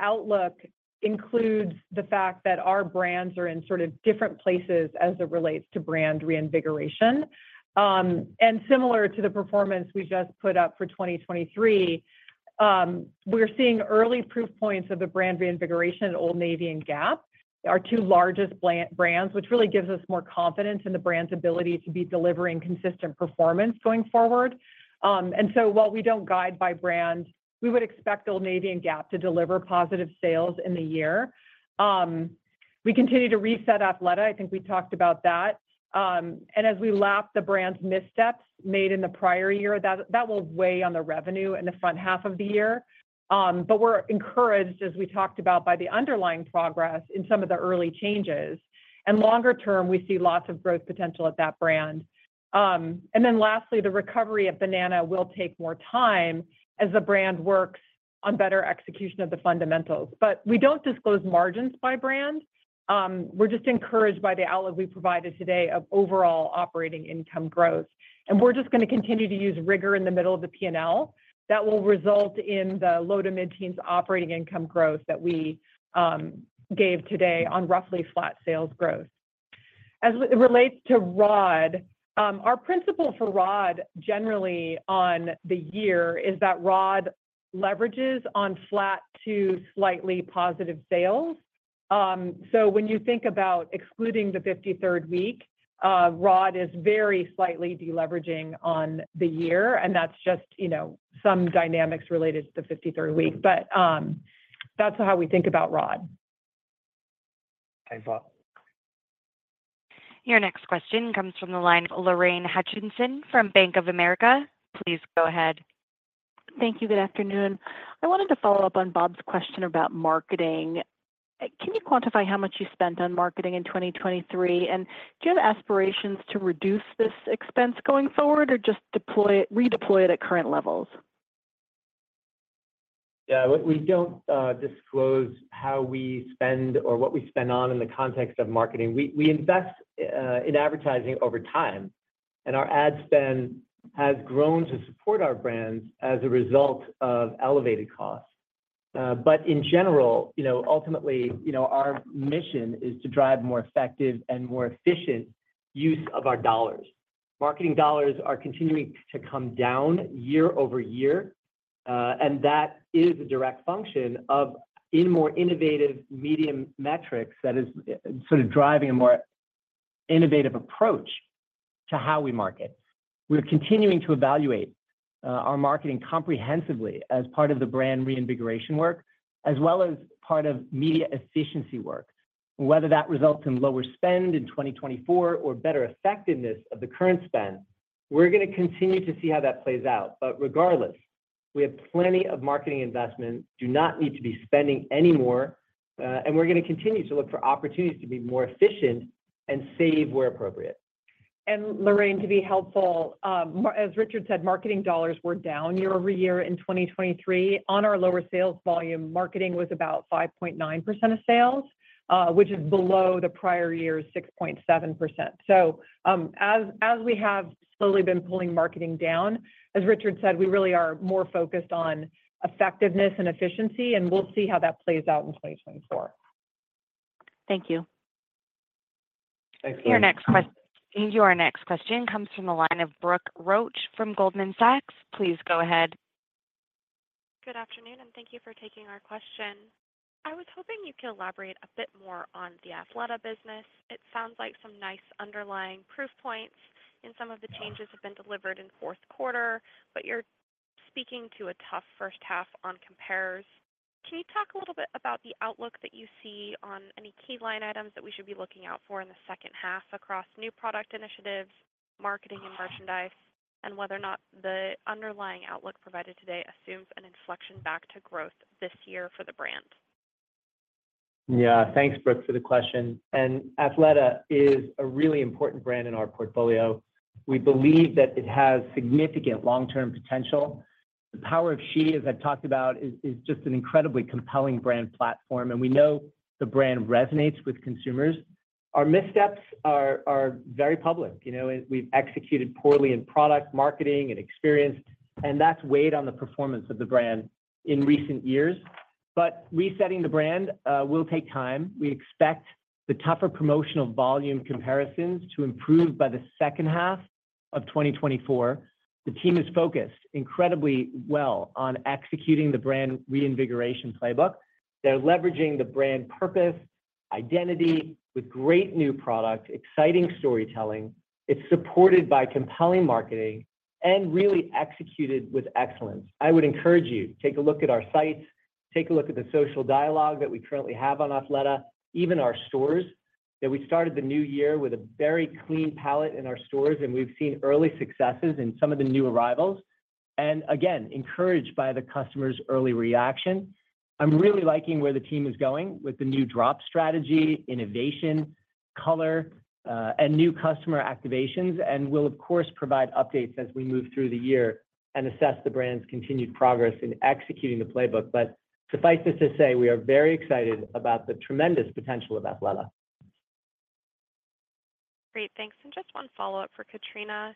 outlook includes the fact that our brands are in sort of different places as it relates to brand reinvigoration. And similar to the performance we just put up for 2023, we're seeing early proof points of the brand reinvigoration at Old Navy and Gap, our two largest brands, which really gives us more confidence in the brand's ability to be delivering consistent performance going forward. And so while we don't guide by brand, we would expect Old Navy and Gap to deliver positive sales in the year. We continue to reset Athleta. I think we talked about that. And as we lap the brand's missteps made in the prior year, that will weigh on the revenue in the front half of the year. But we're encouraged, as we talked about, by the underlying progress in some of the early changes. And longer term, we see lots of growth potential at that brand. And then lastly, the recovery at Banana will take more time as the brand works on better execution of the fundamentals. But we don't disclose margins by brand. We're just encouraged by the outlook we provided today of overall operating income growth. And we're just going to continue to use rigor in the middle of the P&L. That will result in the low to mid-teens operating income growth that we gave today on roughly flat sales growth. As it relates to ROD, our principle for ROD generally on the year is that ROD leverages on flat to slightly positive sales. So when you think about excluding the 53rd week, ROD is very slightly deleveraging on the year. That's just some dynamics related to the 53rd week. That's how we think about ROD.
Thanks, Michael.
Your next question comes from the line of Lorraine Hutchinson from Bank of America. Please go ahead.
Thank you. Good afternoon. I wanted to follow up on Bob's question about marketing. Can you quantify how much you spent on marketing in 2023? And do you have aspirations to reduce this expense going forward or just redeploy it at current levels?
Yeah. We don't disclose how we spend or what we spend on in the context of marketing. We invest in advertising over time. And our ad spend has grown to support our brands as a result of elevated costs. But in general, ultimately, our mission is to drive more effective and more efficient use of our dollars. Marketing dollars are continuing to come down year-over-year. And that is a direct function of in more innovative media metrics that is sort of driving a more innovative approach to how we market. We're continuing to evaluate our marketing comprehensively as part of the brand reinvigoration work as well as part of media efficiency work. And whether that results in lower spend in 2024 or better effectiveness of the current spend, we're going to continue to see how that plays out. But regardless, we have plenty of marketing investment. Do not need to be spending any more. And we're going to continue to look for opportunities to be more efficient and save where appropriate.
Lorraine, to be helpful, as Richard said, marketing dollars were down year-over-year in 2023. On our lower sales volume, marketing was about 5.9% of sales, which is below the prior year's 6.7%. As we have slowly been pulling marketing down, as Richard said, we really are more focused on effectiveness and efficiency. We'll see how that plays out in 2024.
Thank you.
Thanks, Lorraine.
Your next question comes from the line of Brooke Roach from Goldman Sachs. Please go ahead.
Good afternoon. Thank you for taking our question. I was hoping you could elaborate a bit more on the Athleta business. It sounds like some nice underlying proof points in some of the changes have been delivered in fourth quarter. But you're speaking to a tough first half on compares. Can you talk a little bit about the outlook that you see on any key line items that we should be looking out for in the second half across new product initiatives, marketing, and merchandise, and whether or not the underlying outlook provided today assumes an inflection back to growth this year for the brand?
Yeah. Thanks, Brooke, for the question. Athleta is a really important brand in our portfolio. We believe that it has significant long-term potential. The Power of She, as I've talked about, is just an incredibly compelling brand platform. We know the brand resonates with consumers. Our missteps are very public. We've executed poorly in product, marketing, and experience. That's weighed on the performance of the brand in recent years. Resetting the brand will take time. We expect the tougher promotional volume comparisons to improve by the second half of 2024. The team is focused incredibly well on executing the brand reinvigoration playbook. They're leveraging the brand purpose, identity with great new product, exciting storytelling. It's supported by compelling marketing and really executed with excellence. I would encourage you to take a look at our sites. Take a look at the social dialogue that we currently have on Athleta, even our stores. We started the new year with a very clean palette in our stores. We've seen early successes in some of the new arrivals and, again, encouraged by the customer's early reaction. I'm really liking where the team is going with the new drop strategy, innovation, color, and new customer activations. We'll, of course, provide updates as we move through the year and assess the brand's continued progress in executing the playbook. Suffice it to say, we are very excited about the tremendous potential of Athleta.
Great. Thanks. Just one follow-up for Katrina.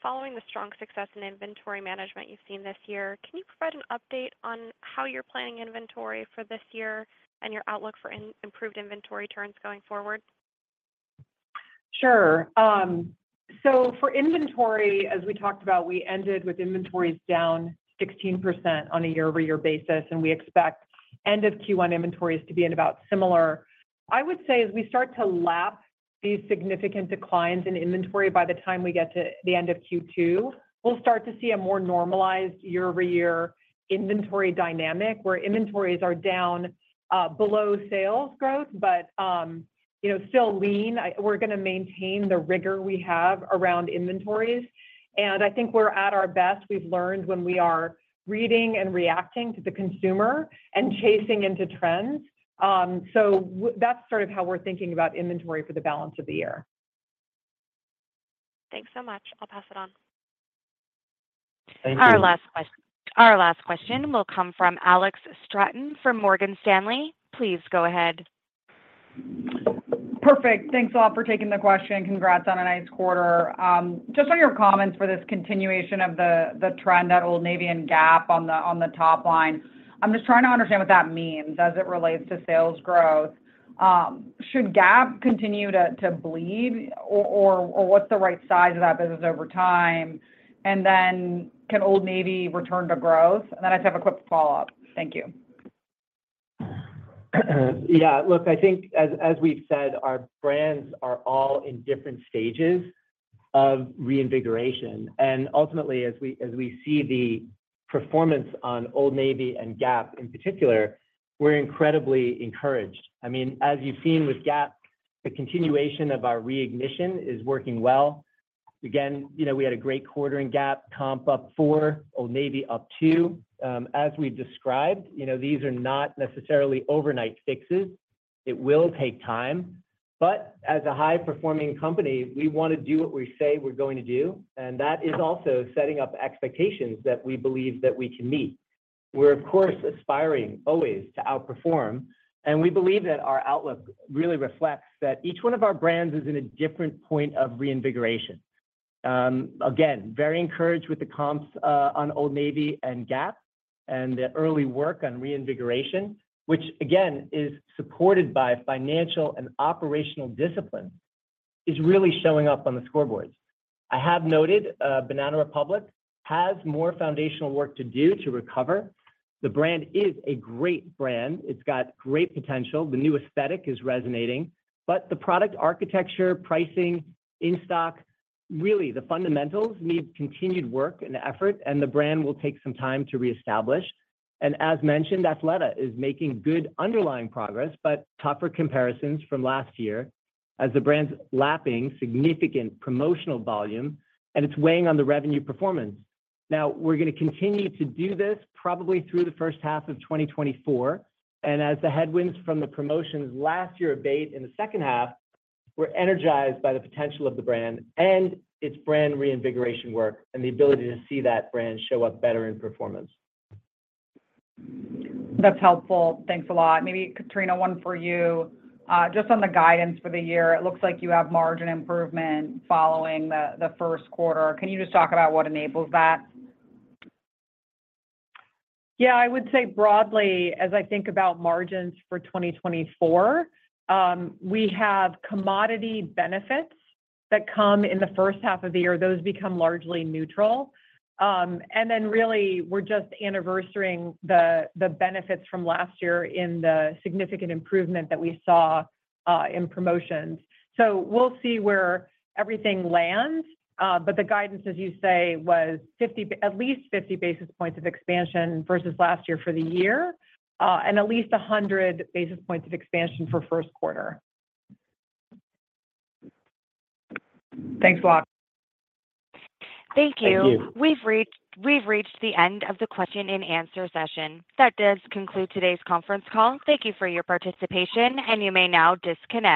Following the strong success in inventory management you've seen this year, can you provide an update on how you're planning inventory for this year and your outlook for improved inventory turns going forward?
Sure. So for inventory, as we talked about, we ended with inventories down 16% on a year-over-year basis. We expect end-of-Q1 inventories to be in about similar. I would say, as we start to lap these significant declines in inventory by the time we get to the end of Q2, we'll start to see a more normalized year-over-year inventory dynamic where inventories are down below sales growth but still lean. We're going to maintain the rigor we have around inventories. I think we're at our best. We've learned when we are reading and reacting to the consumer and chasing into trends. That's sort of how we're thinking about inventory for the balance of the year.
Thanks so much. I'll pass it on.
Thank you.
Our last question will come from Alex Straton from Morgan Stanley. Please go ahead.
Perfect. Thanks all for taking the question. Congrats on a nice quarter. Just on your comments for this continuation of the trend at Old Navy and Gap on the top line, I'm just trying to understand what that means as it relates to sales growth. Should Gap continue to bleed? Or what's the right size of that business over time? And then can Old Navy return to growth? And then I just have a quick follow-up. Thank you.
Yeah. Look, I think, as we've said, our brands are all in different stages of reinvigoration. Ultimately, as we see the performance on Old Navy and Gap in particular, we're incredibly encouraged. I mean, as you've seen with Gap, the continuation of our reinvigoration is working well. Again, we had a great quarter in Gap, comps up 4%, Old Navy up 2%. As we've described, these are not necessarily overnight fixes. It will take time. But as a high-performing company, we want to do what we say we're going to do. And that is also setting up expectations that we believe that we can meet. We're, of course, aspiring always to outperform. And we believe that our outlook really reflects that each one of our brands is in a different point of reinvigoration. Again, very encouraged with the comps on Old Navy and Gap and the early work on reinvigoration, which, again, is supported by financial and operational discipline, is really showing up on the scoreboards. I have noted Banana Republic has more foundational work to do to recover. The brand is a great brand. It's got great potential. The new aesthetic is resonating. But the product architecture, pricing, in-stock, really, the fundamentals need continued work and effort. And the brand will take some time to reestablish. And as mentioned, Athleta is making good underlying progress but tougher comparisons from last year as the brand's lapping significant promotional volume. And it's weighing on the revenue performance. Now, we're going to continue to do this probably through the first half of 2024. As the headwinds from the promotions last year abate in the second half, we're energized by the potential of the brand and its brand reinvigoration work and the ability to see that brand show up better in performance.
That's helpful. Thanks a lot. Maybe, Katrina, one for you. Just on the guidance for the year, it looks like you have margin improvement following the first quarter. Can you just talk about what enables that?
Yeah. I would say, broadly, as I think about margins for 2024, we have commodity benefits that come in the first half of the year. Those become largely neutral. And then really, we're just anniversarying the benefits from last year in the significant improvement that we saw in promotions. So we'll see where everything lands. But the guidance, as you say, was at least 50 basis points of expansion versus last year for the year and at least 100 basis points of expansion for first quarter.
Thanks a lot.
Thank you.
Thank you.
We've reached the end of the question-and-answer session. That does conclude today's conference call. Thank you for your participation. And you may now disconnect.